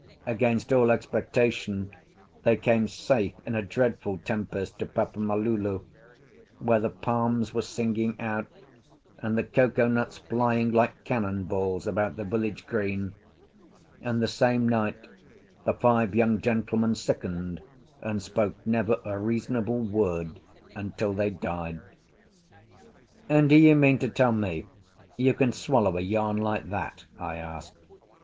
Against all expectation, they came safe in a dreadful tempest to Papa malulu, where the palms were singing out, and the cocoa nuts flying like cannon balls about the village green; and the same night the five young gentlemen sickened, and spoke never a reasonable word until they died. "And do you mean to tell me you can swallow a yarn like that?" I asked.